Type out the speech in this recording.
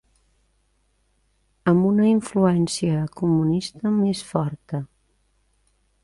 Amb una influència comunista més forta